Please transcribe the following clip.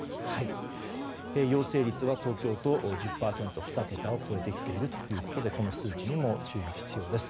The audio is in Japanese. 陽性率は東京都１０％２桁を超えてきているということでこの数値にも注意が必要です。